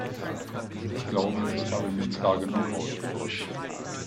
Ich glaube, ich habe mich klar genug ausgedrückt.